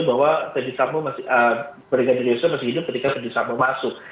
bahwa brigadier yusuf masih hidup ketika sedisabu masuk